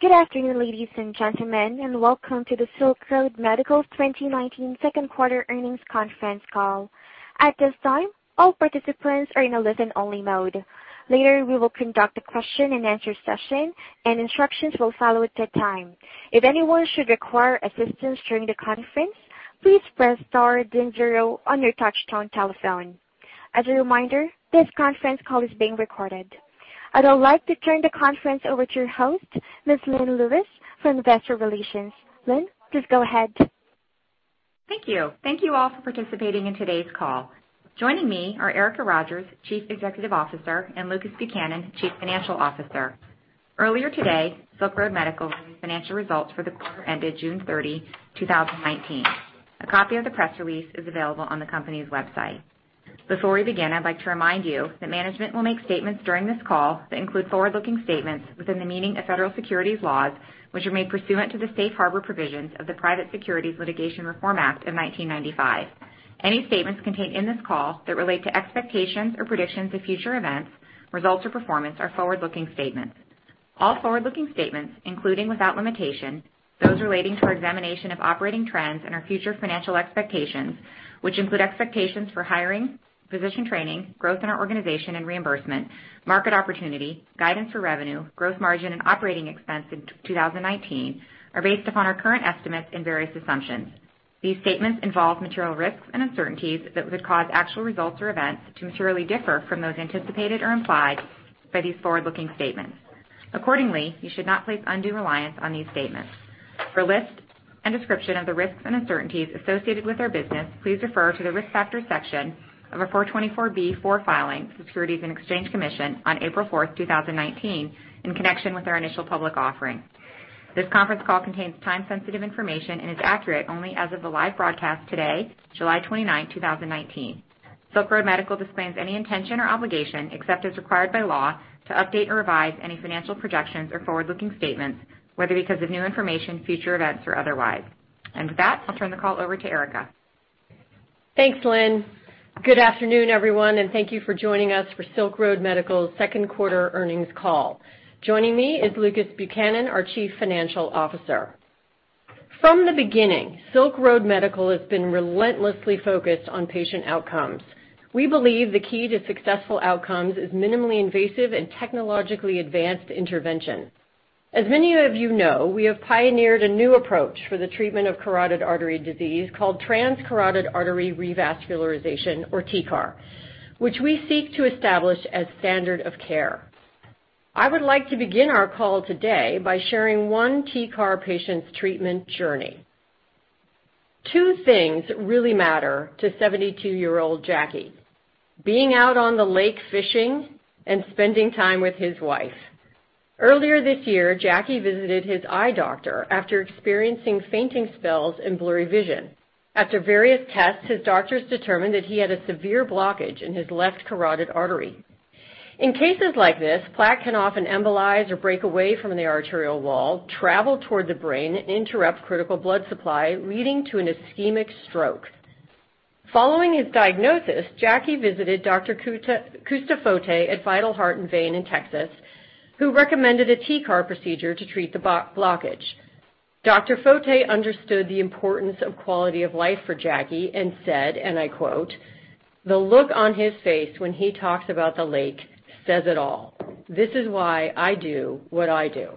Good afternoon, ladies and gentlemen, and welcome to the Silk Road Medical 2019 Second Quarter Earnings Conference Call. At this time, all participants are in a listen-only mode. Later, we will conduct a question-and-answer session, and instructions will follow at that time. If anyone should require assistance during the conference, please press star then zero on your touch-tone telephone. As a reminder, this conference call is being recorded. I'd like to turn the conference over to your host, Ms. Lynn Lewis, from Investor Relations. Lynn, please go ahead. Thank you. Thank you all for participating in today's call. Joining me are Erica Rogers, Chief Executive Officer, and Lucas Buchanan, Chief Financial Officer. Earlier today, Silk Road Medical's financial results for the quarter ended June 30, 2019. A copy of the press release is available on the company's website. Before we begin, I'd like to remind you that management will make statements during this call that include forward-looking statements within the meaning of Federal Securities Laws, which are made pursuant to the Safe Harbor Provisions of the Private Securities Litigation Reform Act of 1995. Any statements contained in this call that relate to expectations or predictions of future events, results, or performance are forward-looking statements. All forward-looking statements, including without limitation, those relating to our examination of operating trends and our future financial expectations, which include expectations for hiring, position training, growth in our organization and reimbursement, market opportunity, guidance for revenue, gross margin, and operating expense in 2019, are based upon our current estimates and various assumptions. These statements involve material risks and uncertainties that could cause actual results or events to materially differ from those anticipated or implied by these forward-looking statements. Accordingly, you should not place undue reliance on these statements. For a list and description of the risks and uncertainties associated with our business, please refer to the Risk Factor Section Securities and Exchange Commission on april 4, 2019, in connection with our initial public offering. This conference call contains time-sensitive information and is accurate only as of the live broadcast today, July 29, 2019. Silk Road Medical disclaims any intention or obligation, except as required by law, to update or revise any financial projections or forward-looking statements, whether because of new information, future events, or otherwise. With that, I'll turn the call over to Erica. Thanks, Lynn. Good afternoon, everyone, and thank you for joining us for Silk Road Medical's second quarter earnings call. Joining me is Lucas Buchanan, our Chief Financial Officer. From the beginning, Silk Road Medical has been relentlessly focused on patient outcomes. We believe the key to successful outcomes is minimally invasive and technologically advanced intervention. As many of you know, we have pioneered a new approach for the treatment of carotid artery disease called transcarotid artery revascularization, or TCAR, which we seek to establish as standard of care. I would like to begin our call today by sharing one TCAR patient's treatment journey. Two things really matter to 72-year-old Jackie: being out on the lake fishing and spending time with his wife. Earlier this year, Jackie visited his eye doctor after experiencing fainting spells and blurry vision. After various tests, his doctors determined that he had a severe blockage in his left carotid artery. In cases like this, plaque can often embolize or break away from the arterial wall, travel toward the brain, and interrupt critical blood supply, leading to an ischemic stroke. Following his diagnosis, Jackie visited Dr. Cousteau-Foete at Vital Heart and Vein in Texas, who recommended a TCAR procedure to treat the blockage. Dr. Foete understood the importance of quality of life for Jackie and said, and I quote, "The look on his face when he talks about the lake says it all. This is why I do what I do."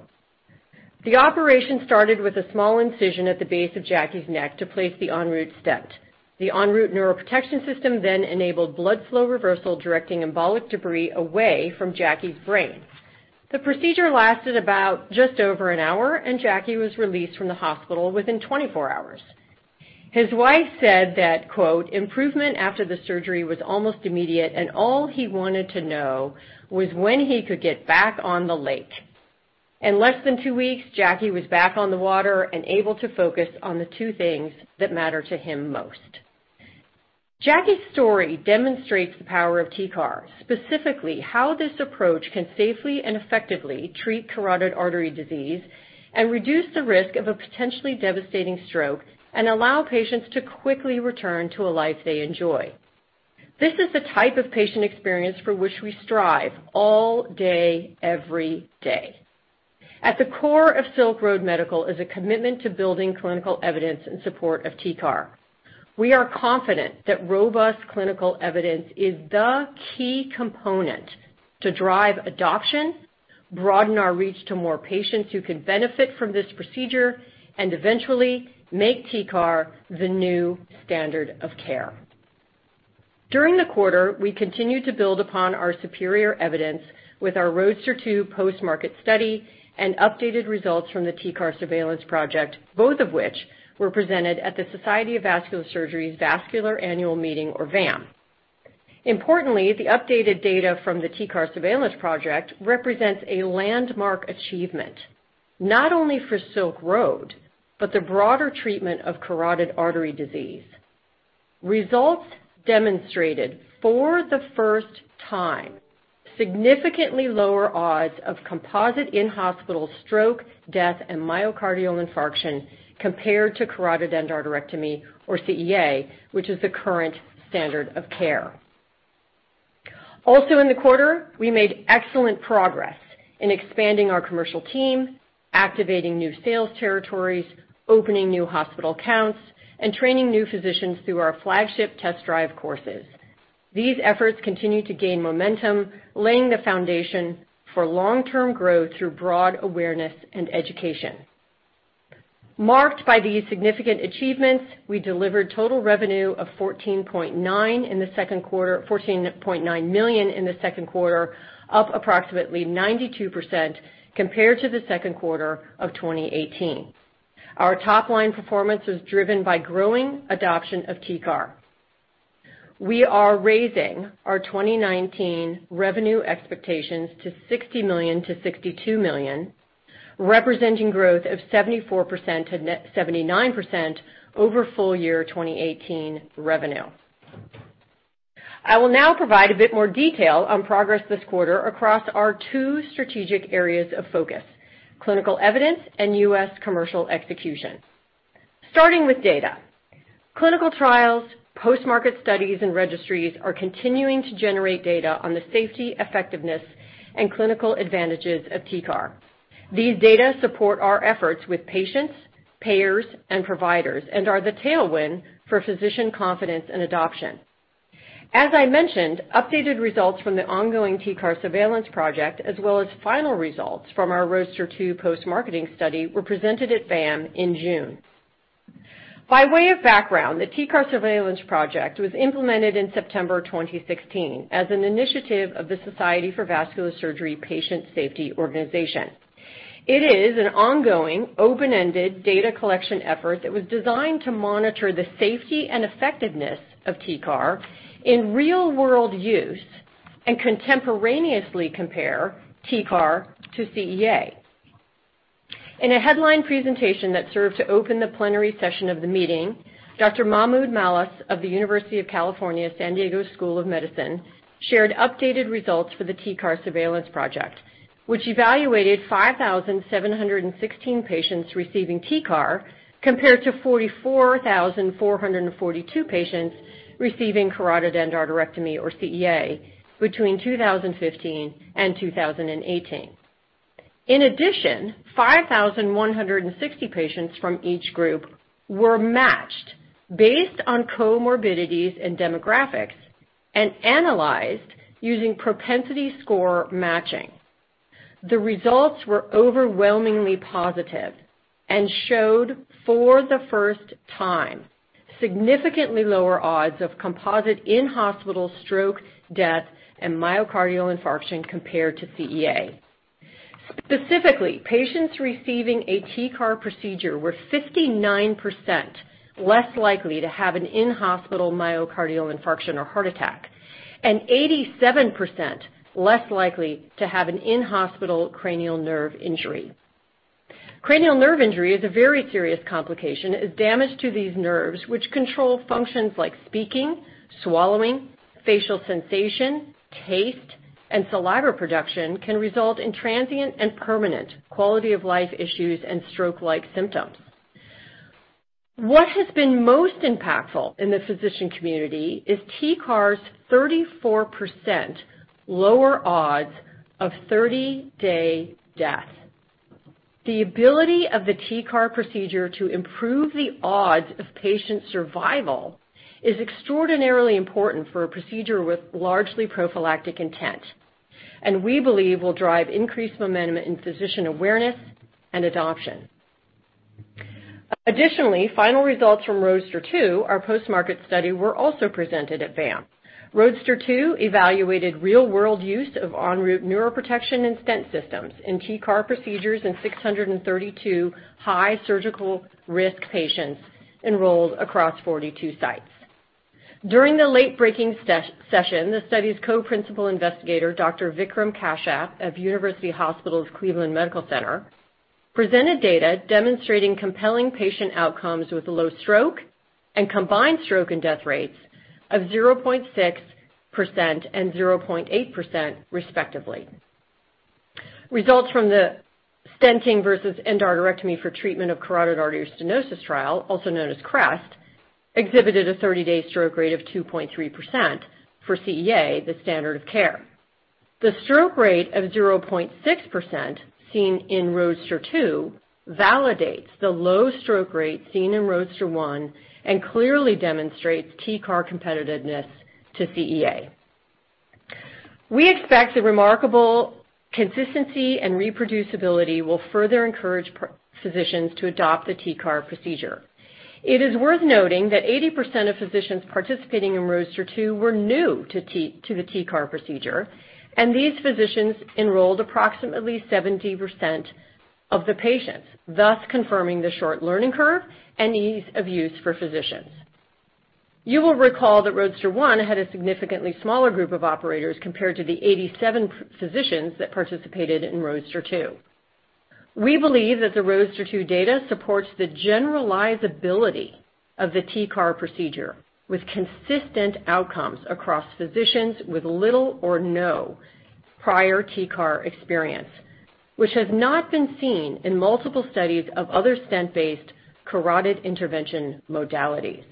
The operation started with a small incision at the base of Jackie's neck to place the EnRoute Stent. The EnRoute Neuroprotection System then enabled blood flow reversal, directing embolic debris away from Jackie's brain. The procedure lasted about just over an hour, and Jackie was released from the hospital within 24 hours. His wife said that, quote, "Improvement after the surgery was almost immediate, and all he wanted to know was when he could get back on the lake." In less than two weeks, Jackie was back on the water and able to focus on the two things that matter to him most. Jackie's story demonstrates the power of TCAR, specifically how this approach can safely and effectively treat carotid artery disease and reduce the risk of a potentially devastating stroke and allow patients to quickly return to a life they enjoy. This is the type of patient experience for which we strive all day, every day. At the core of Silk Road Medical is a commitment to building clinical evidence in support of TCAR. We are confident that robust clinical evidence is the key component to drive adoption, broaden our reach to more patients who can benefit from this procedure, and eventually make TCAR the new standard of care. During the quarter, we continue to build upon our superior evidence with our Roadster II post-market study and updated results from the TCAR Surveillance Project, both of which were presented at the Society for Vascular Surgery's Vascular Annual Meeting, or VAM. Importantly, the updated data from the TCAR Surveillance Project represents a landmark achievement not only Silk Road Medical but the broader treatment of carotid artery disease. Results demonstrated, for the first time, significantly lower odds of composite in-hospital stroke, death, and myocardial infarction compared to carotid endarterectomy, or CEA, which is the current standard of care. Also, in the quarter, we made excellent progress in expanding our commercial team, activating new sales territories, opening new hospital counts, and training new physicians through our flagship test drive courses. These efforts continue to gain momentum, laying the foundation for long-term growth through broad awareness and education. Marked by these significant achievements, we delivered total revenue of $14.9 million in the second quarter, up approximately 92% compared to the second quarter of 2018. Our top-line performance was driven by growing adoption of TCAR. We are raising our 2019 revenue expectations to $60 million-$62 million, representing growth of 74%-79% over full-year 2018 revenue. I will now provide a bit more detail on progress this quarter across our two strategic areas of focus: clinical evidence and U.S. commercial execution. Starting with data, clinical trials, post-market studies, and registries are continuing to generate data on the safety, effectiveness, and clinical advantages of TCAR. These data support our efforts with patients, payers, and providers and are the tailwind for physician confidence and adoption. As I mentioned, updated results from the ongoing TCAR Surveillance Project, as well as final results from our Roadster II post-marketing study, were presented at VAM in June. By way of background, the TCAR Surveillance Project was implemented in September 2016 as an initiative of the Society for Vascular Surgery Patient Safety Organization. It is an ongoing, open-ended data collection effort that was designed to monitor the safety and effectiveness of TCAR in real-world use and contemporaneously compare TCAR to CEA. In a headline presentation that served to open the plenary session of the meeting, Dr. Mahmoud Malas of the University of California, San Diego School of Medicine shared updated results for the TCAR Surveillance Project, which evaluated 5,716 patients receiving TCAR compared to 44,442 patients receiving carotid endarterectomy, or CEA, between 2015 and 2018. In addition, 5,160 patients from each group were matched based on comorbidities and demographics and analyzed using propensity score matching. The results were overwhelmingly positive and showed, for the first time, significantly lower odds of composite in-hospital stroke, death, and myocardial infarction compared to CEA. Specifically, patients receiving a TCAR procedure were 59% less likely to have an in-hospital myocardial infarction or heart attack and 87% less likely to have an in-hospital cranial nerve injury. Cranial nerve injury is a very serious complication as damage to these nerves, which control functions like speaking, swallowing, facial sensation, taste, and saliva production, can result in transient and permanent quality-of-life issues and stroke-like symptoms. What has been most impactful in the physician community is TCAR's 34% lower odds of 30-day death. The ability of the TCAR procedure to improve the odds of patient survival is extraordinarily important for a procedure with largely prophylactic intent and we believe will drive increased momentum in physician awareness and adoption. Additionally, final results from Roadster II, our post-market study, were also presented at VAM. Roadster II evaluated real-world use of EnRoute Neuroprotection and Stent Systems in TCAR procedures in 632 high-surgical risk patients enrolled across 42 sites. During the late-breaking session, the study's co-principal investigator, Dr. Vikram Kashyap of University Hospitals Cleveland Medical Center, presented data demonstrating compelling patient outcomes with low stroke and combined stroke and death rates of 0.6% and 0.8%, respectively. Results from the stenting versus endarterectomy for treatment of carotid artery stenosis trial, also known as CREST, exhibited a 30-day stroke rate of 2.3% for CEA, the standard of care. The stroke rate of 0.6% seen in Roadster II validates the low stroke rate seen in Roadster I and clearly demonstrates TCAR competitiveness to CEA. We expect the remarkable consistency and reproducibility will further encourage physicians to adopt the TCAR procedure. It is worth noting that 80% of physicians participating in Roadster II were new to the TCAR procedure, and these physicians enrolled approximately 70% of the patients, thus confirming the short learning curve and ease of use for physicians. You will recall that Roadster I had a significantly smaller group of operators compared to the 87 physicians that participated in Roadster II. We believe that the Roadster II data supports the generalizability of the TCAR procedure with consistent outcomes across physicians with little or no prior TCAR experience, which has not been seen in multiple studies of other stent-based carotid intervention modalities.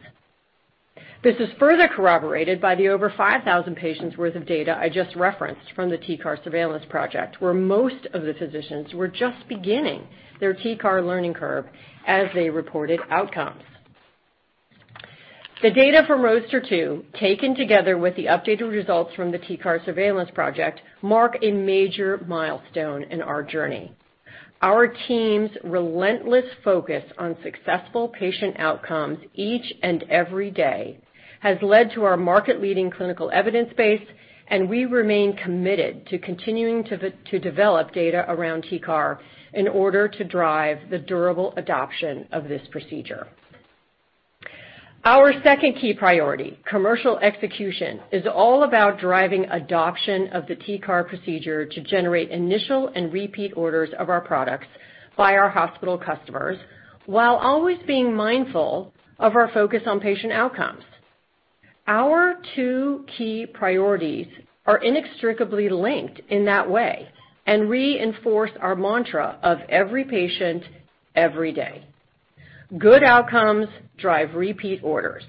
This is further corroborated by the over 5,000 patients' worth of data I just referenced from the TCAR Surveillance Project, where most of the physicians were just beginning their TCAR learning curve as they reported outcomes. The data from Roadster II, taken together with the updated results from the TCAR Surveillance Project, mark a major milestone in our journey. Our team's relentless focus on successful patient outcomes each and every day has led to our market-leading clinical evidence base, and we remain committed to continuing to develop data around TCAR in order to drive the durable adoption of this procedure. Our second key priority, commercial execution, is all about driving adoption of the TCAR procedure to generate initial and repeat orders of our products by our hospital customers while always being mindful of our focus on patient outcomes. Our two key priorities are inextricably linked in that way and reinforce our mantra of every patient, every day. Good outcomes drive repeat orders.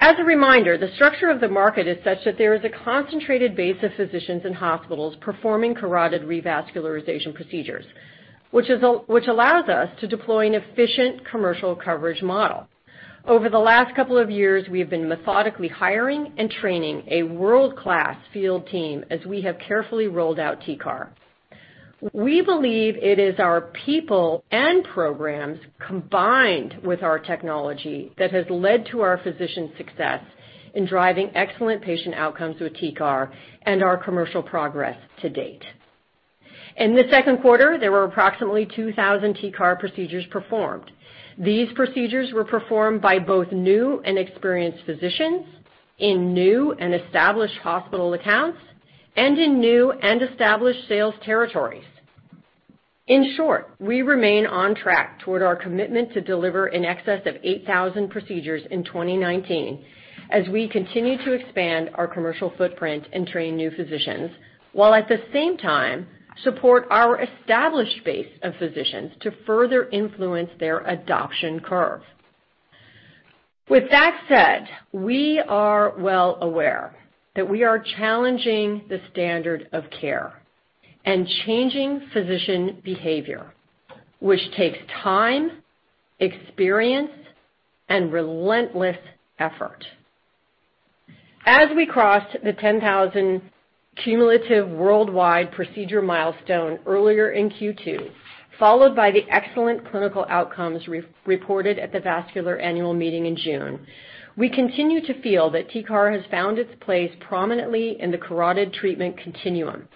As a reminder, the structure of the market is such that there is a concentrated base of physicians and hospitals performing carotid revascularization procedures, which allows us to deploy an efficient commercial coverage model. Over the last couple of years, we have been methodically hiring and training a world-class field team as we have carefully rolled out TCAR. We believe it is our people and programs combined with our technology that has led to our physician success in driving excellent patient outcomes with TCAR and our commercial progress to date. In the second quarter, there were approximately 2,000 TCAR procedures performed. These procedures were performed by both new and experienced physicians in new and established hospital accounts and in new and established sales territories. In short, we remain on track toward our commitment to deliver in excess of 8,000 procedures in 2019 as we continue to expand our commercial footprint and train new physicians while, at the same time, support our established base of physicians to further influence their adoption curve. With that said, we are well aware that we are challenging the standard of care and changing physician behavior, which takes time, experience, and relentless effort. As we crossed the 10,000 cumulative worldwide procedure milestone earlier in Q2, followed by the excellent clinical outcomes reported at the Vascular Annual Meeting in June, we continue to feel that TCAR has found its place prominently in the carotid treatment continuum.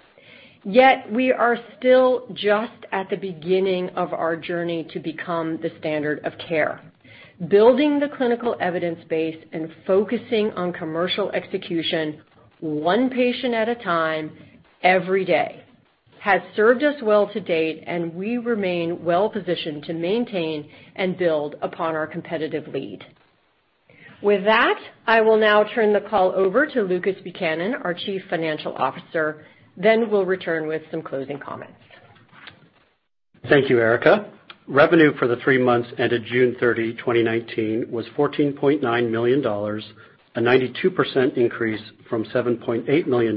Yet we are still just at the beginning of our journey to become the standard of care. Building the clinical evidence base and focusing on commercial execution, one patient at a time, every day, has served us well to date, and we remain well-positioned to maintain and build upon our competitive lead. With that, I will now turn the call over to Lucas Buchanan, our Chief Financial Officer, then we'll return with some closing comments. Thank you, Erica. Revenue for the three months ended June 30, 2019, was $14.9 million, a 92% increase from $7.8 million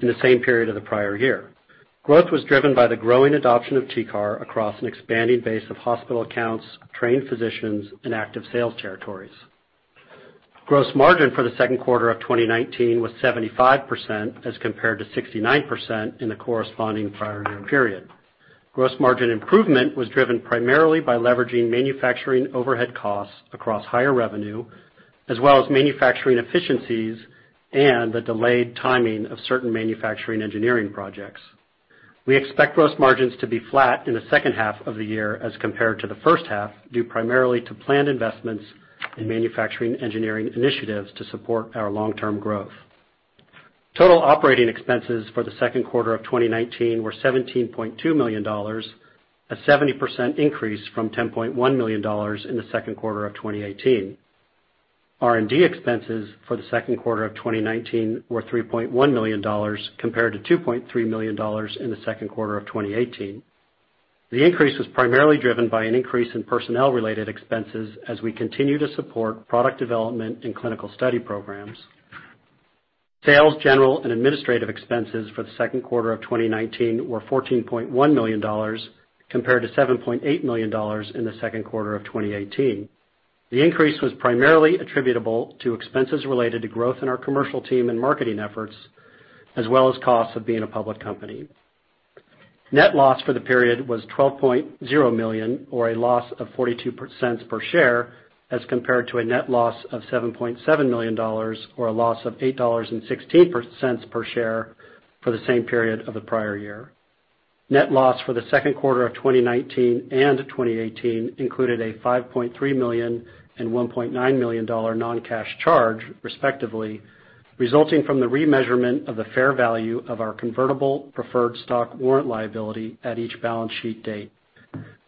in the same period of the prior year. Growth was driven by the growing adoption of TCAR across an expanding base of hospital accounts, trained physicians, and active sales territories. Gross margin for the second quarter of 2019 was 75% as compared to 69% in the corresponding prior year period. Gross margin improvement was driven primarily by leveraging manufacturing overhead costs across higher revenue, as well as manufacturing efficiencies and the delayed timing of certain manufacturing engineering projects. We expect gross margins to be flat in the second half of the year as compared to the first half due primarily to planned investments in manufacturing engineering initiatives to support our long-term growth. Total operating expenses for the second quarter of 2019 were $17.2 million, a 70% increase from $10.1 million in the second quarter of 2018. R&D expenses for the second quarter of 2019 were $3.1 million compared to $2.3 million in the second quarter of 2018. The increase was primarily driven by an increase in personnel-related expenses as we continue to support product development and clinical study programs. Sales, general, and administrative expenses for the second quarter of 2019 were $14.1 million compared to $7.8 million in the second quarter of 2018. The increase was primarily attributable to expenses related to growth in our commercial team and marketing efforts, as well as costs of being a public company. Net loss for the period was $12.0 million, or a loss of $0.42 per share, as compared to a net loss of $7.7 million, or a loss of $0.816 per share for the same period of the prior year. Net loss for the second quarter of 2019 and 2018 included a $5.3 million and $1.9 million non-cash charge, respectively, resulting from the remeasurement of the fair value of our convertible preferred stock warrant liability at each balance sheet date.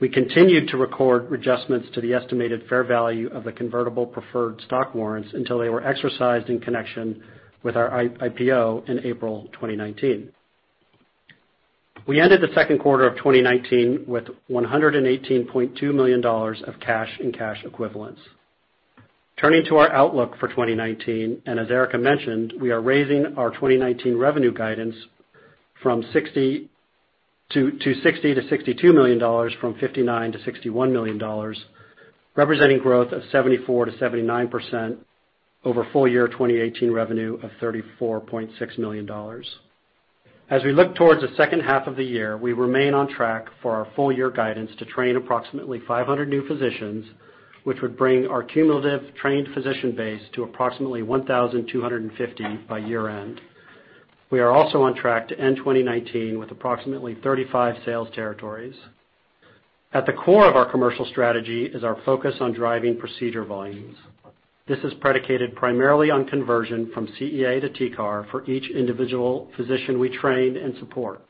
We continued to record adjustments to the estimated fair value of the convertible preferred stock warrants until they were exercised in connection with our IPO in April 2019. We ended the second quarter of 2019 with $118.2 million of cash and cash equivalents. Turning to our outlook for 2019, and as Erica mentioned, we are raising our 2019 revenue guidance from $60-$62 million from $59-$61 million, representing growth of 74%-79% over full year 2018 revenue of $34.6 million. As we look towards the second half of the year, we remain on track for our full year guidance to train approximately 500 new physicians, which would bring our cumulative trained physician base to approximately 1,250 by year-end. We are also on track to end 2019 with approximately 35 sales territories. At the core of our commercial strategy is our focus on driving procedure volumes. This is predicated primarily on conversion from CEA to TCAR for each individual physician we train and support.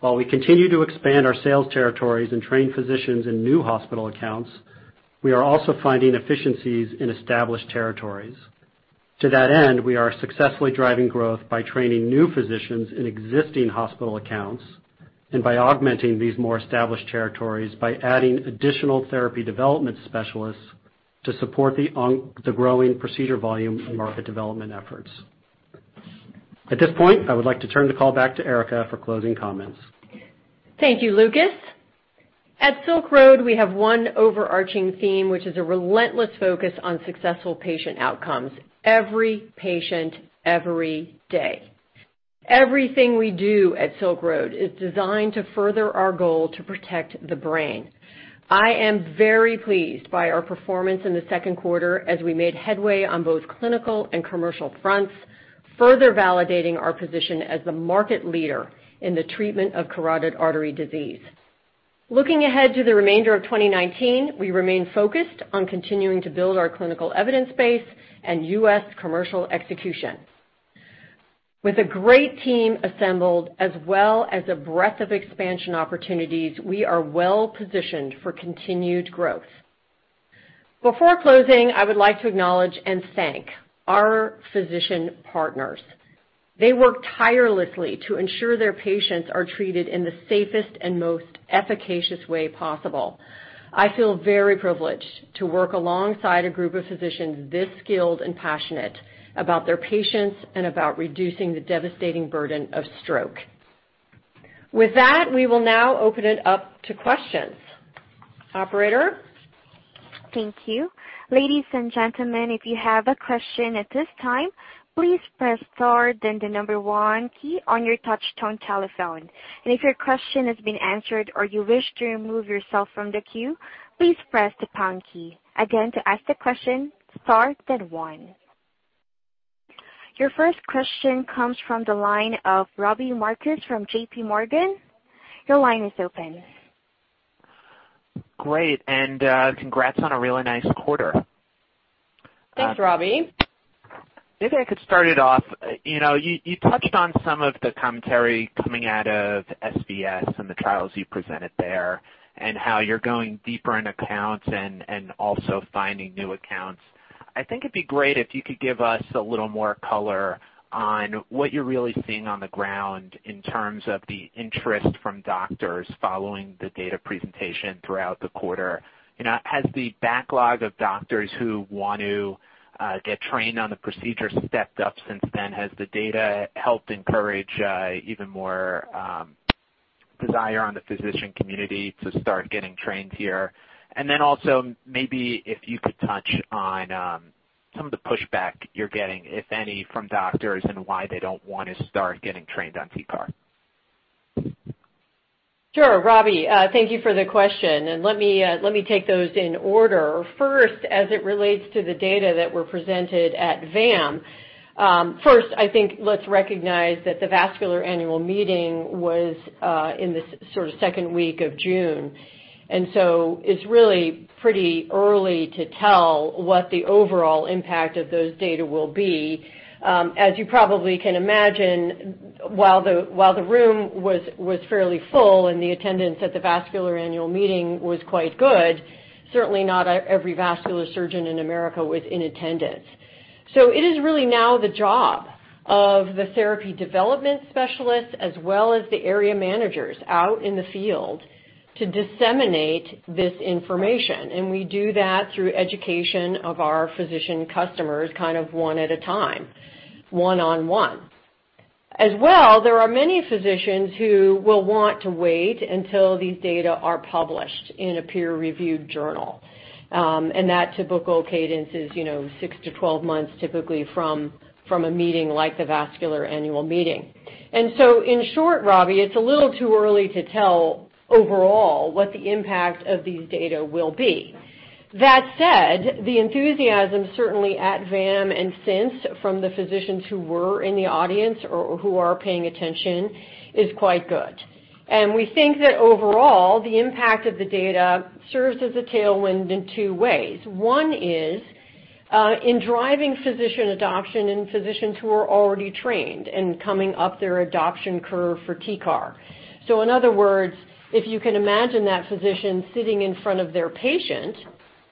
While we continue to expand our sales territories and train physicians in new hospital accounts, we are also finding efficiencies in established territories. To that end, we are successfully driving growth by training new physicians in existing hospital accounts and by augmenting these more established territories by adding additional therapy development specialists to support the growing procedure volume and market development efforts. At this point, I would like to turn the call back to Erica for closing comments. Thank you, Lucas. At Silk Road, we have one overarching theme, which is a relentless focus on successful patient outcomes every patient, every day. Everything we do at Silk Road is designed to further our goal to protect the brain. I am very pleased by our performance in the second quarter as we made headway on both clinical and commercial fronts, further validating our position as the market leader in the treatment of carotid artery disease. Looking ahead to the remainder of 2019, we remain focused on continuing to build our clinical evidence base and U.S. commercial execution. With a great team assembled as well as a breadth of expansion opportunities, we are well-positioned for continued growth. Before closing, I would like to acknowledge and thank our physician partners. They work tirelessly to ensure their patients are treated in the safest and most efficacious way possible. I feel very privileged to work alongside a group of physicians this skilled and passionate about their patients and about reducing the devastating burden of stroke. With that, we will now open it up to questions. Operator. Thank you. Ladies and gentlemen, if you have a question at this time, please press Star, then the number one key on your touch-tone telephone. If your question has been answered or you wish to remove yourself from the queue, please press the pound key. Again, to ask the question, Star, then one. Your first question comes from the line of Robbie Marcus from JPMorgan. Your line is open. Great. And congrats on a really nice quarter. Thanks, Robbie. Maybe I could start it off. You touched on some of the commentary coming out of SVS and the trials you presented there and how you're going deeper in accounts and also finding new accounts. I think it'd be great if you could give us a little more color on what you're really seeing on the ground in terms of the interest from doctors following the data presentation throughout the quarter. Has the backlog of doctors who want to get trained on the procedure stepped up since then? Has the data helped encourage even more desire on the physician community to start getting trained here? Also, maybe if you could touch on some of the pushback you're getting, if any, from doctors and why they don't want to start getting trained on TCAR. Sure, Robbie. Thank you for the question. Let me take those in order. First, as it relates to the data that were presented at VAM, first, I think let's recognize that the Vascular Annual Meeting was in the sort of second week of June. It is really pretty early to tell what the overall impact of those data will be. As you probably can imagine, while the room was fairly full and the attendance at the Vascular Annual Meeting was quite good, certainly not every vascular surgeon in America was in attendance. It is really now the job of the therapy development specialists as well as the area managers out in the field to disseminate this information. We do that through education of our physician customers kind of one at a time, one-on-one. As well, there are many physicians who will want to wait until these data are published in a peer-reviewed journal. That typical cadence is 6 to 12 months typically from a meeting like the Vascular Annual Meeting. In short, Robbie, it's a little too early to tell overall what the impact of these data will be. That said, the enthusiasm certainly at VAM and since from the physicians who were in the audience or who are paying attention is quite good. We think that overall, the impact of the data serves as a tailwind in two ways. One is in driving physician adoption in physicians who are already trained and coming up their adoption curve for TCAR. In other words, if you can imagine that physician sitting in front of their patient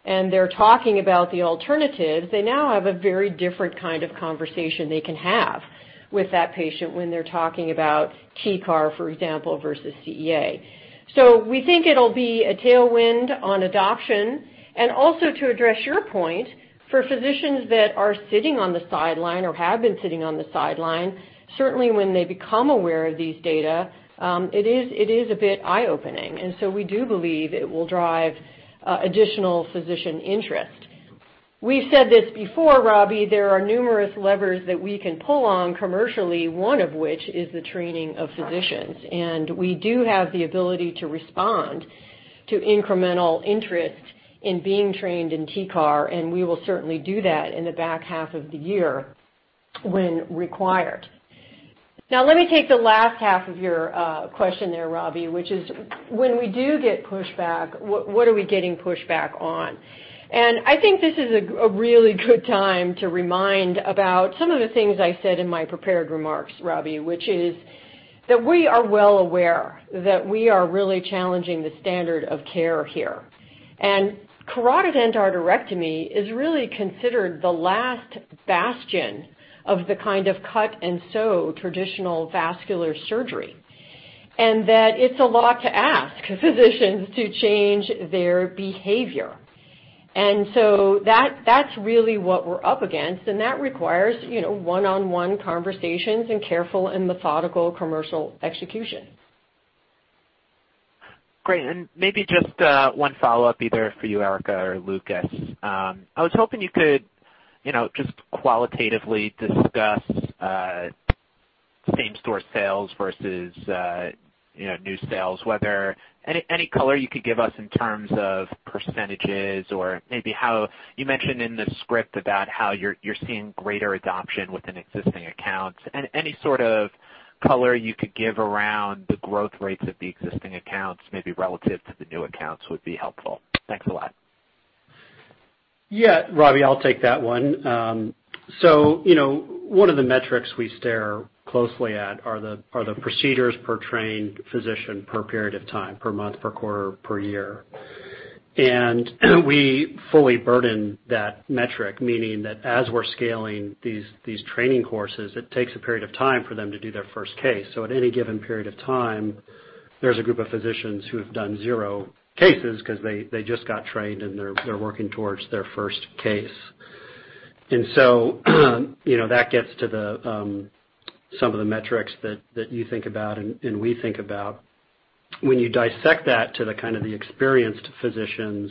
and they're talking about the alternatives, they now have a very different kind of conversation they can have with that patient when they're talking about TCAR, for example, versus CEA. We think it'll be a tailwind on adoption. Also, to address your point, for physicians that are sitting on the sideline or have been sitting on the sideline, certainly when they become aware of these data, it is a bit eye-opening. We do believe it will drive additional physician interest. We've said this before, Robbie, there are numerous levers that we can pull on commercially, one of which is the training of physicians. We do have the ability to respond to incremental interest in being trained in TCAR, and we will certainly do that in the back half of the year when required. Now, let me take the last half of your question there, Robbie, which is when we do get pushback, what are we getting pushback on? I think this is a really good time to remind about some of the things I said in my prepared remarks, Robbie, which is that we are well aware that we are really challenging the standard of care here. Carotid endarterectomy is really considered the last bastion of the kind of cut-and-sew traditional vascular surgery. It is a lot to ask physicians to change their behavior. That is really what we are up against, and that requires one-on-one conversations and careful and methodical commercial execution. Great. Maybe just one follow-up either for you, Erica or Lucas. I was hoping you could just qualitatively discuss same-store sales versus new sales, whether any color you could give us in terms of percentages or maybe how you mentioned in the script about how you are seeing greater adoption within existing accounts. Any sort of color you could give around the growth rates of the existing accounts, maybe relative to the new accounts, would be helpful. Thanks a lot. Yeah, Robbie, I'll take that one. One of the metrics we stare closely at are the procedures per trained physician per period of time, per month, per quarter, per year. We fully burden that metric, meaning that as we're scaling these training courses, it takes a period of time for them to do their first case. At any given period of time, there's a group of physicians who have done zero cases because they just got trained and they're working towards their first case. That gets to some of the metrics that you think about and we think about. When you dissect that to the kind of the experienced physicians,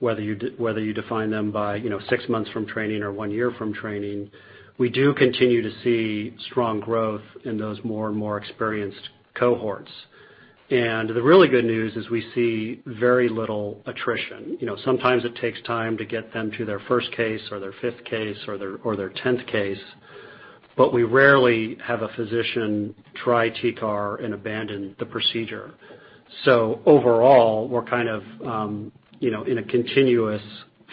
whether you define them by six months from training or one year from training, we do continue to see strong growth in those more and more experienced cohorts. The really good news is we see very little attrition. Sometimes it takes time to get them to their first case or their fifth case or their tenth case, but we rarely have a physician try TCAR and abandon the procedure. Overall, we're kind of in a continuous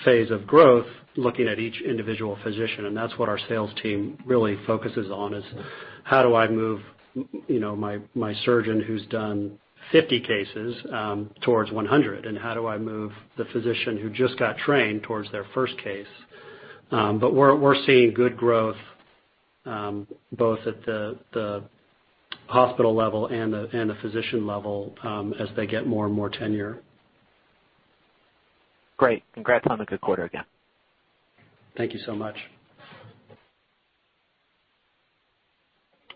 phase of growth looking at each individual physician. That's what our sales team really focuses on is how do I move my surgeon who's done 50 cases towards 100, and how do I move the physician who just got trained towards their first case? We're seeing good growth both at the hospital level and the physician level as they get more and more tenure. Great. Congrats on the good quarter again. Thank you so much.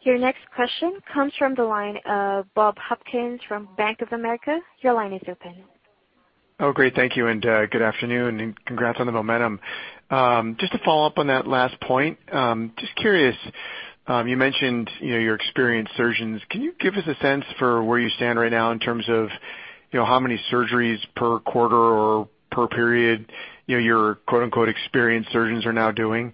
Your next question comes from the line of Bob Hopkins from Bank of America. Your line is open. Oh, great. Thank you. And good afternoon. Congrats on the momentum. Just to follow up on that last point, just curious, you mentioned your experienced surgeons. Can you give us a sense for where you stand right now in terms of how many surgeries per quarter or per period your "experienced surgeons" are now doing?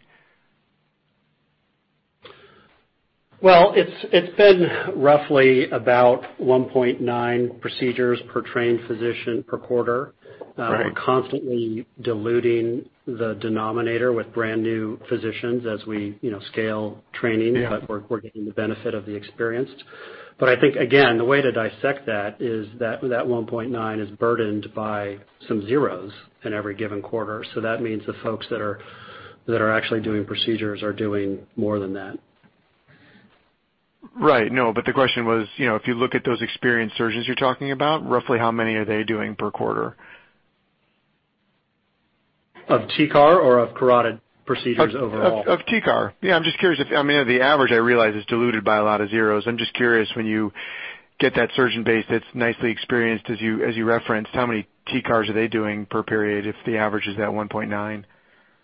It's been roughly about 1.9 procedures per trained physician per quarter. We're constantly diluting the denominator with brand new physicians as we scale training, but we're getting the benefit of the experienced. I think, again, the way to dissect that is that 1.9 is burdened by some zeros in every given quarter. That means the folks that are actually doing procedures are doing more than that. Right. No, but the question was, if you look at those experienced surgeons you're talking about, roughly how many are they doing per quarter? Of TCAR or of carotid procedures overall? Of TCAR. Yeah. I'm just curious if, I mean, the average, I realize, is diluted by a lot of zeros. I'm just curious, when you get that surgeon base that's nicely experienced, as you referenced, how many TCARs are they doing per period if the average is that 1.9?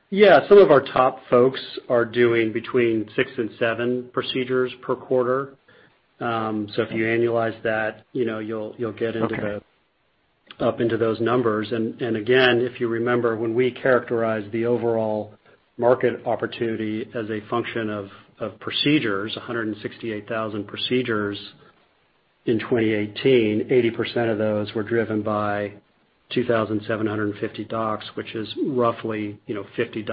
Yeah. Some of our top folks are doing between six and seven procedures per quarter. If you annualize that, you'll get up into those numbers. If you remember, when we characterized the overall market opportunity as a function of procedures, 168,000 procedures in 2018, 80% of those were driven by 2,750 docs, which is roughly 50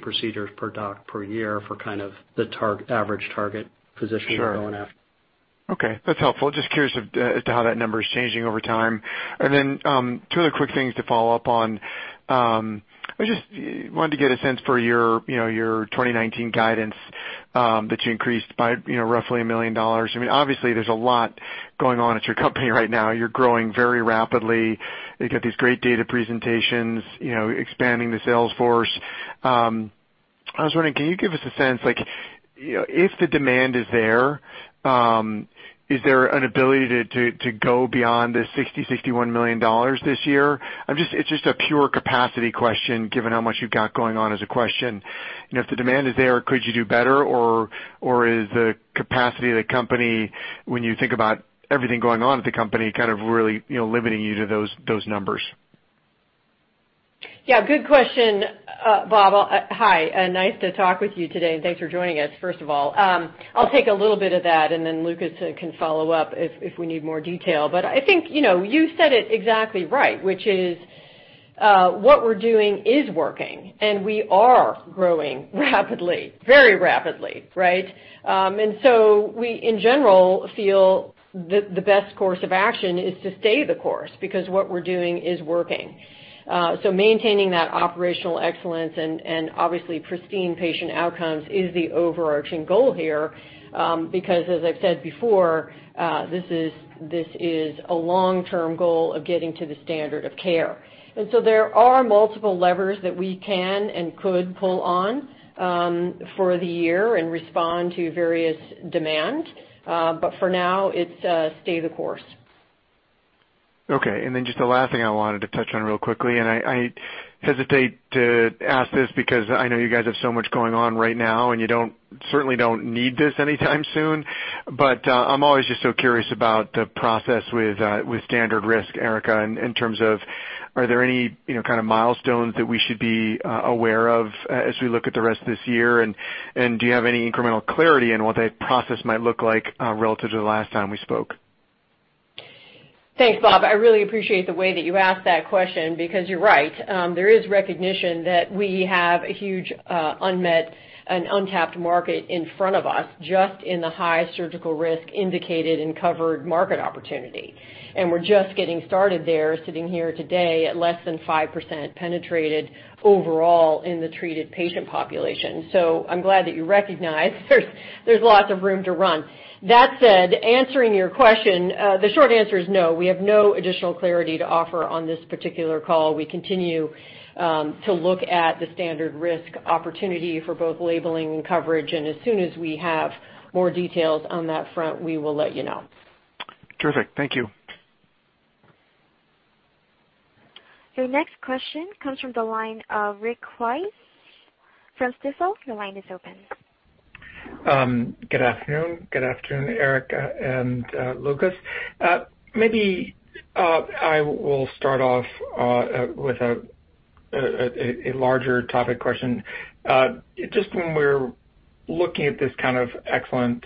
procedures per doc per year for kind of the average target physician you're going after. Sure. Okay. That's helpful. Just curious as to how that number is changing over time. Two other quick things to follow up on. I just wanted to get a sense for your 2019 guidance that you increased by roughly $1 million. I mean, obviously, there's a lot going on at your company right now. You're growing very rapidly. You've got these great data presentations, expanding the sales force. I was wondering, can you give us a sense if the demand is there, is there an ability to go beyond the $60-$61 million this year? It's just a pure capacity question given how much you've got going on as a question. If the demand is there, could you do better, or is the capacity of the company, when you think about everything going on at the company, kind of really limiting you to those numbers? Yeah. Good question, Bob. Hi. Nice to talk with you today, and thanks for joining us, first of all. I'll take a little bit of that, and then Lucas can follow up if we need more detail. I think you said it exactly right, which is what we're doing is working, and we are growing rapidly, very rapidly, right? We, in general, feel that the best course of action is to stay the course because what we're doing is working. Maintaining that operational excellence and obviously pristine patient outcomes is the overarching goal here because, as I've said before, this is a long-term goal of getting to the standard of care. There are multiple levers that we can and could pull on for the year and respond to various demands. For now, it's stay the course. Okay. The last thing I wanted to touch on real quickly, and I hesitate to ask this because I know you guys have so much going on right now, and you certainly don't need this anytime soon. I'm always just so curious about the process with standard risk, Erica, in terms of are there any kind of milestones that we should be aware of as we look at the rest of this year? Do you have any incremental clarity on what that process might look like relative to the last time we spoke? Thanks, Bob. I really appreciate the way that you asked that question because you're right. There is recognition that we have a huge unmet and untapped market in front of us just in the high surgical risk indicated and covered market opportunity. We're just getting started there, sitting here today at less than 5% penetrated overall in the treated patient population. I'm glad that you recognize there's lots of room to run. That said, answering your question, the short answer is no. We have no additional clarity to offer on this particular call. We continue to look at the standard risk opportunity for both labeling and coverage. As soon as we have more details on that front, we will let you know. Terrific. Thank you. Your next question comes from the line of Rick Wise from Stifel. Your line is open. Good afternoon. Good afternoon, Erica and Lucas. Maybe I will start off with a larger topic question. Just when we're looking at this kind of excellent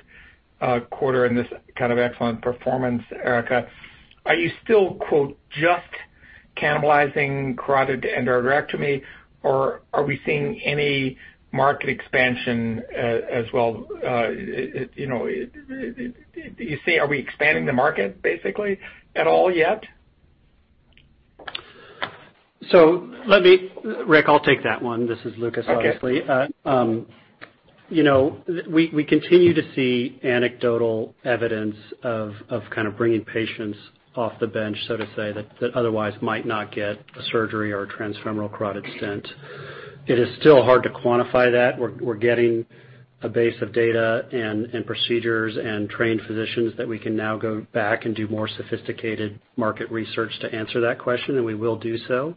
quarter and this kind of excellent performance, Erica, are you still "just" cannibalizing carotid endarterectomy, or are we seeing any market expansion as well? Are we expanding the market basically at all yet? So Rick, I'll take that one. This is Lucas, obviously. We continue to see anecdotal evidence of kind of bringing patients off the bench, so to say, that otherwise might not get a surgery or a transfemoral carotid stent. It is still hard to quantify that. We're getting a base of data and procedures and trained physicians that we can now go back and do more sophisticated market research to answer that question, and we will do so.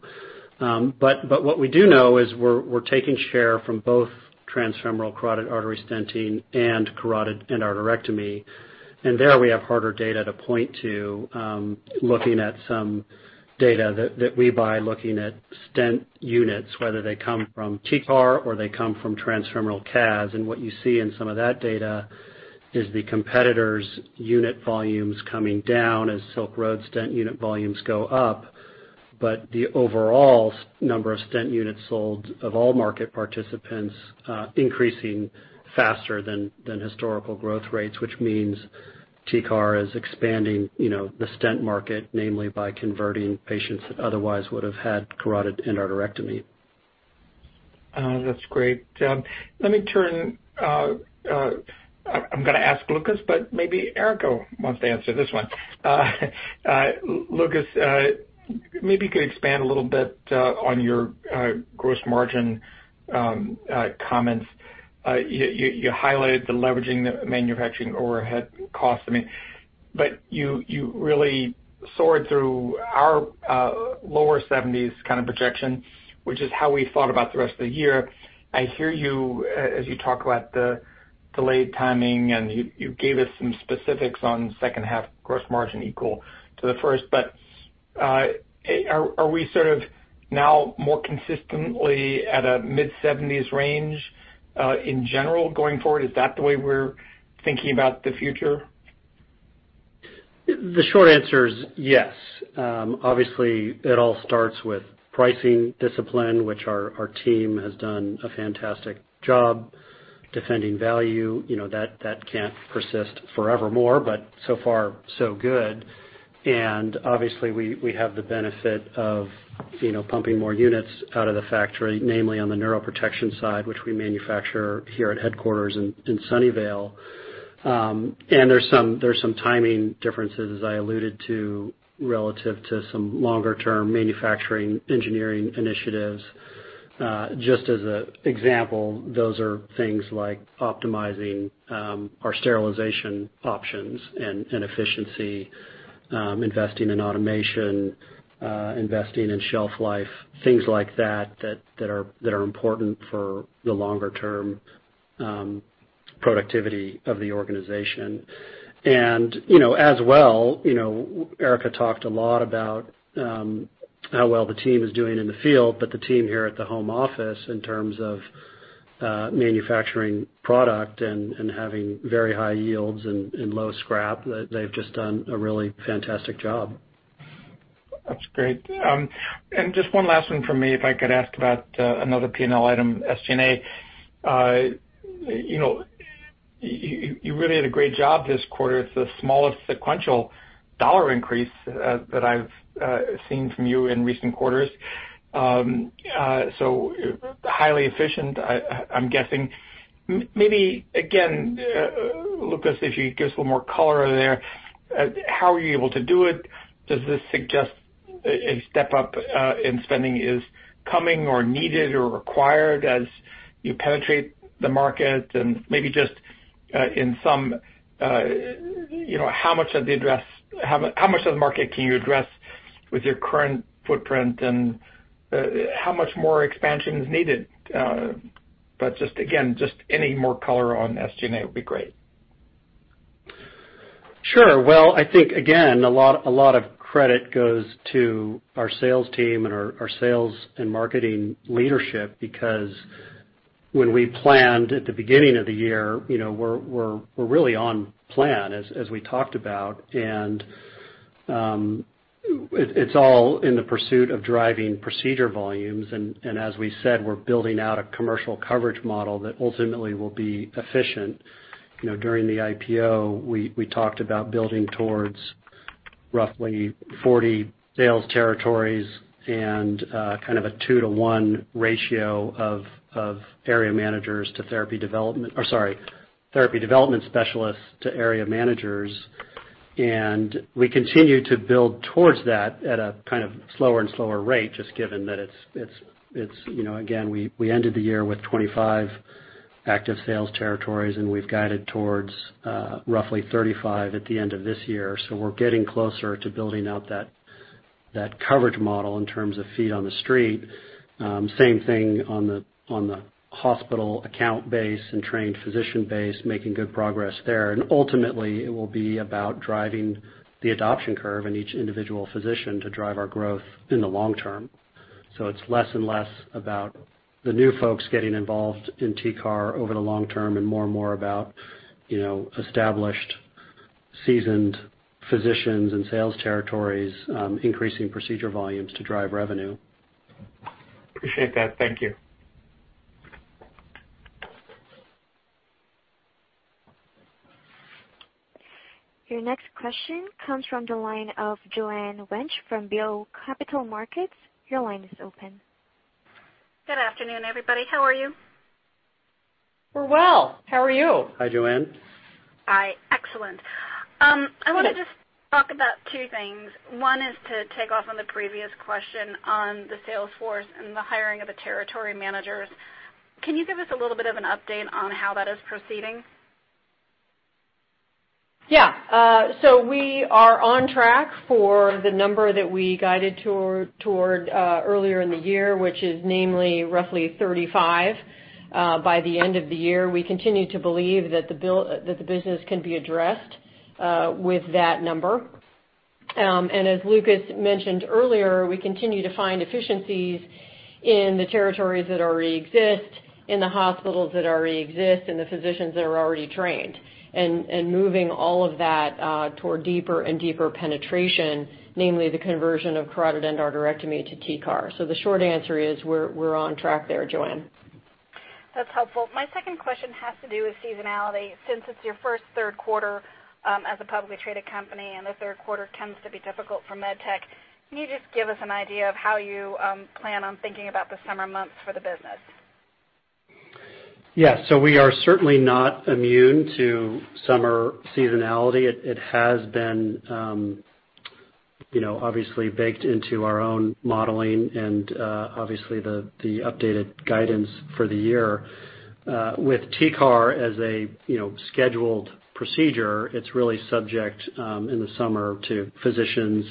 What we do know is we're taking share from both transfemoral carotid artery stenting and carotid endarterectomy. There we have harder data to point to, looking at some data that we buy looking at stent units, whether they come from TCAR or they come from transfemoral CAS. What you see in some of that data is the competitors' unit volumes coming down as Silk Road stent unit volumes go up, but the overall number of stent units sold of all market participants increasing faster than historical growth rates, which means TCAR is expanding the stent market, namely by converting patients that otherwise would have had carotid endarterectomy. That's great. Let me turn, I'm going to ask Lucas, but maybe Erica wants to answer this one. Lucas, maybe you could expand a little bit on your gross margin comments. You highlighted the leveraging manufacturing overhead costs. But you really soared through our lower 70s kind of projection, which is how we thought about the rest of the year. I hear you as you talk about the delayed timing, and you gave us some specifics on second half gross margin equal to the first. Are we sort of now more consistently at a mid-70s range in general going forward? Is that the way we're thinking about the future? The short answer is yes. Obviously, it all starts with pricing discipline, which our team has done a fantastic job defending value. That cannot persist forevermore, but so far, so good. We have the benefit of pumping more units out of the factory, namely on the neuroprotection side, which we manufacture here at headquarters in Sunnyvale. There are some timing differences, as I alluded to, relative to some longer-term manufacturing engineering initiatives. Just as an example, those are things like optimizing our sterilization options and efficiency, investing in automation, investing in shelf life, things like that that are important for the longer-term productivity of the organization. As well, Erica talked a lot about how well the team is doing in the field, but the team here at the home office in terms of manufacturing product and having very high yields and low scrap, they have just done a really fantastic job. That is great. Just one last one from me, if I could ask about another P&L item, SG&A. You really did a great job this quarter. It's the smallest sequential dollar increase that I've seen from you in recent quarters. So highly efficient, I'm guessing. Maybe, again, Lucas, if you could give us a little more color over there, how are you able to do it? Does this suggest a step up in spending is coming or needed or required as you penetrate the market? And maybe just in sum, how much of the address, how much of the market can you address with your current footprint, and how much more expansion is needed? Just, again, just any more color on SG&A would be great. Sure. I think, again, a lot of credit goes to our sales team and our sales and marketing leadership because when we planned at the beginning of the year, we're really on plan, as we talked about. It's all in the pursuit of driving procedure volumes. As we said, we're building out a commercial coverage model that ultimately will be efficient. During the IPO, we talked about building towards roughly 40 sales territories and kind of a two-to-one ratio of therapy development specialists to area managers. We continue to build towards that at a kind of slower and slower rate, just given that it's, again, we ended the year with 25 active sales territories, and we've guided towards roughly 35 at the end of this year. We're getting closer to building out that coverage model in terms of feet on the street. Same thing on the hospital account base and trained physician base, making good progress there. Ultimately, it will be about driving the adoption curve in each individual physician to drive our growth in the long term. It is less and less about the new folks getting involved in TCAR over the long term and more and more about established, seasoned physicians and sales territories increasing procedure volumes to drive revenue. Appreciate that. Thank you. Your next question comes from the line of Joanne Wuensch from Lake Street Capital Markets. Your line is open. Good afternoon, everybody. How are you? We're well. How are you? Hi, Joanne. Hi. Excellent. I want to just talk about two things. One is to take off on the previous question on the sales force and the hiring of the territory managers. Can you give us a little bit of an update on how that is proceeding? Yeah. We are on track for the number that we guided toward earlier in the year, which is namely roughly 35 by the end of the year. We continue to believe that the business can be addressed with that number. As Lucas mentioned earlier, we continue to find efficiencies in the territories that already exist, in the hospitals that already exist, and the physicians that are already trained, and moving all of that toward deeper and deeper penetration, namely the conversion of carotid endarterectomy to TCAR. The short answer is we're on track there, Joanne. That's helpful. My second question has to do with seasonality. Since it's your first third quarter as a publicly traded company, and the third quarter tends to be difficult for med tech, can you just give us an idea of how you plan on thinking about the summer months for the business? Yeah. We are certainly not immune to summer seasonality. It has been obviously baked into our own modeling and obviously the updated guidance for the year. With TCAR as a scheduled procedure, it's really subject in the summer to physicians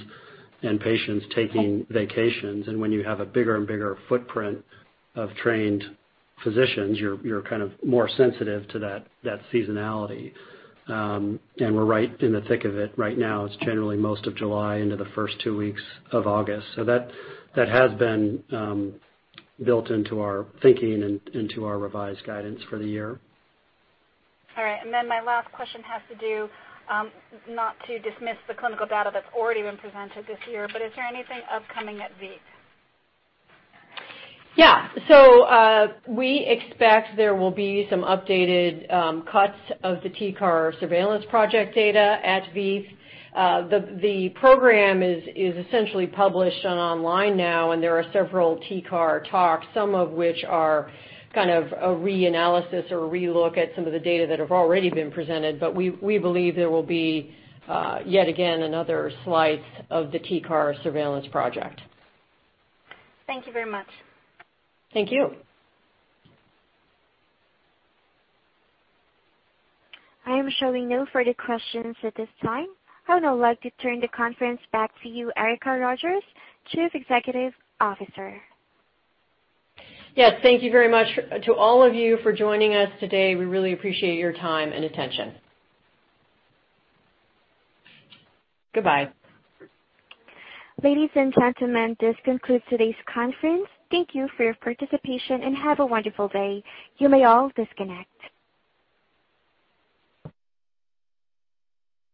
and patients taking vacations. When you have a bigger and bigger footprint of trained physicians, you're kind of more sensitive to that seasonality. We're right in the thick of it right now. It's generally most of July into the first two weeks of August. That has been built into our thinking and into our revised guidance for the year. All right. My last question has to do not to dismiss the clinical data that's already been presented this year, but is there anything upcoming at VAM? Yeah. We expect there will be some updated cuts of the TCAR Surveillance Project data at VAM. The program is essentially published online now, and there are several TCAR talks, some of which are kind of a reanalysis or a re-look at some of the data that have already been presented. We believe there will be yet again another slice of the TCAR Surveillance Project. Thank you very much. Thank you. I am showing no further questions at this time. I would now like to turn the conference back to you, Erica Rogers, Chief Executive Officer. Yes. Thank you very much to all of you for joining us today. We really appreciate your time and attention. Goodbye. Ladies and gentlemen, this concludes today's conference. Thank you for your participation and have a wonderful day. You may all disconnect.